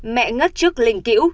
mẹ ngất trước linh cữu